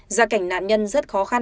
gia cảnh nạn nhân rất khó khăn